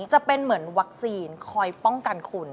จะเป็นเหมือนวัคซีนคอยป้องกันคุณ